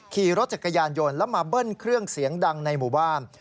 ขี่รถจักรยานยนต์แล้วมาเบิ้ลเครื่องเสียงดังในหมู่บ้าน